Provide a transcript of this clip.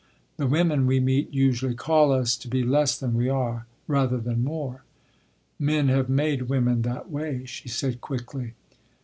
The women we meet usually call us to be less than we are, rather than more—" "Men have made women that way," she said quickly.